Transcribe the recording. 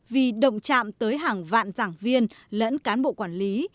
vì động chạm tới hàng vạn giảng viên lẫn cán bộ quản lý